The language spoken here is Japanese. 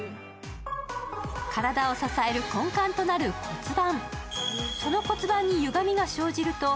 体を支える根幹となる骨盤。